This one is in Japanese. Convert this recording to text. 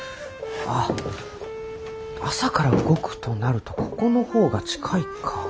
あっ朝から動くとなるとここの方が近いか。